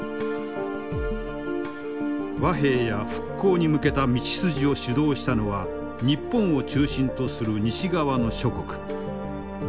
和平や復興に向けた道筋を主導したのは日本を中心とする西側の諸国。